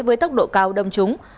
với tốc độ cao đông trúng